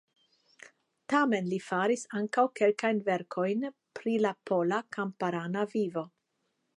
Tamen li faris ankaŭ kelkajn verkojn pri la pola kamparana vivo.